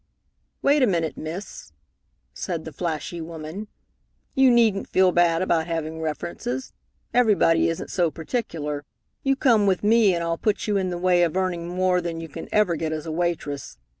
"Wait a minute, Miss," said the flashy woman. "You needn't feel bad about having references. Everybody isn't so particular. You come with me, and I'll put you in the way of earning more than you can ever get as a waitress.